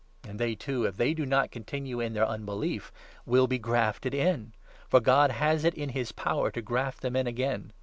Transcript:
And they, too, if they do not continue in their 23 unbelief, will be grafted in ; for God has it in his power to graft them in again.